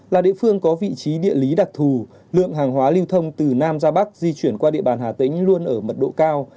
là địa phương có vị trí địa lý đặc thù lượng hàng hóa lưu thông từ nam ra bắc di chuyển qua địa bàn hà tĩnh luôn ở mật độ cao